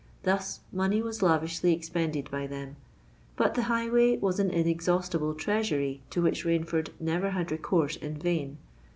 Thus money was lavishly expended by them; but the highway was an inexhaustible treasury to which Rainford never had recourse in vain.